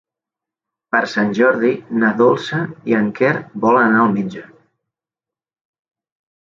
Per Sant Jordi na Dolça i en Quer volen anar al metge.